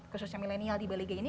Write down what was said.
khususnya milenial di balai gai ini